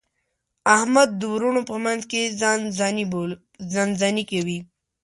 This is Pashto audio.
احمد د وروڼو په منځ کې ځان ځاني کوي.